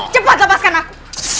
cepat lepaskan aku